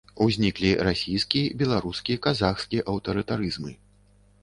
Узніклі расійскі, беларускі, казахскі аўтарытарызмы.